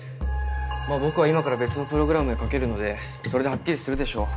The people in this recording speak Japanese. まぁ僕は今から別のプログラムへかけるのでそれでハッキリするでしょう。